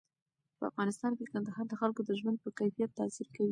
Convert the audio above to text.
په افغانستان کې کندهار د خلکو د ژوند په کیفیت تاثیر کوي.